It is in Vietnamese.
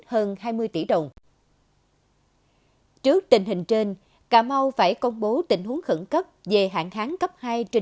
hơn hai mươi tỷ đồng trước tình hình trên cà mau phải công bố tình huống khẩn cấp về hạn tháng cấp hai trên